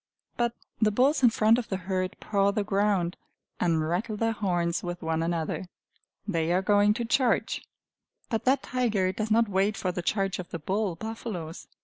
But the bulls in front of the herd paw the ground, and rattle their horns with one another. They are going to charge! But that tiger does not wait for the charge of the bull buffaloes.